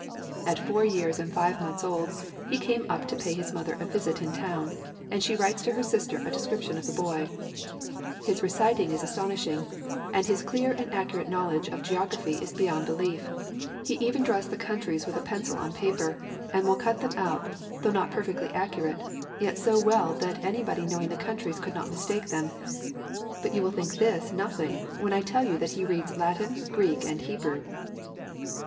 At four years and five months old he came up to pay his mother a visit in town, and she writes to her sister a description of the boy; "His reciting is astonishing, and his clear and accurate knowledge of geography is beyond belief; he even draws the countries with a pencil on paper, and will cut them out, though not perfectly accurate, yet so well that a anybody knowing the countries could not mistake them; but, you will think this nothing when I tell you that he reads Latin, Greek, and Hebrew."